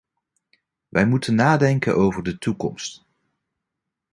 Wij moeten nadenken over de toekomst.